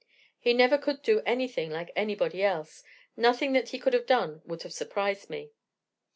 He never could do anything like anybody else: nothing that he could have done would have surprised me.